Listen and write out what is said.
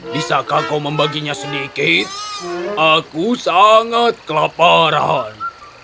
bisakah kau membaginya sedikit aku sangat kelaparan